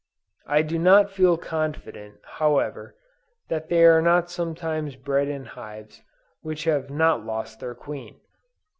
I do not feel confident, however, that they are not sometimes bred in hives which have not lost their queen.